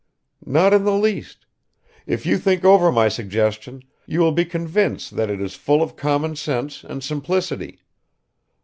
"Not in the least. If you think over my suggestion you will be convinced that it is full of common sense and simplicity.